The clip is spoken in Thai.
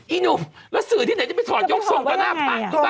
อีหนูแล้วสื่อที่ไหนจะไปสอนยกส่งกับหน้าผักหรือเปล่า